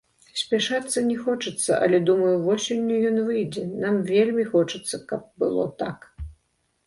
Спяшацца не хочацца, але, думаю, восенню ён выйдзе, нам вельмі хочацца, каб было так.